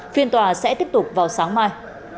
phiên tòa sẽ tiếp tục vào sáng mai